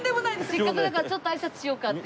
せっかくだからちょっと挨拶しようかって。